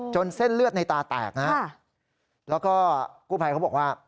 เส้นเลือดในตาแตกนะฮะแล้วก็กู้ภัยเขาบอกว่า